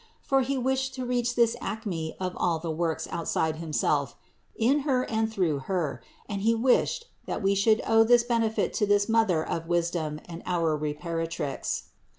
For He wished to reach this acme of all the works outside Himself in Her and through Her and He wished that we should owe this benefit to this Mother of wisdom and our Reparatrix.